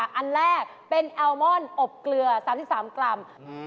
อันแรกเป็นแอลมอนอบเกลือ๓๓กรัม